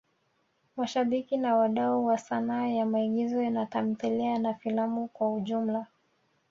Mashabiki na wadau wa sanaa ya maigizo na tamthilia na filamu kwa ujumla